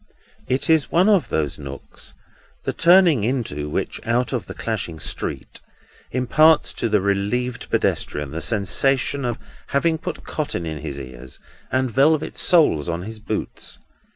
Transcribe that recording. It is one of those nooks, the turning into which out of the clashing street, imparts to the relieved pedestrian the sensation of having put cotton in his ears, and velvet soles on his boots.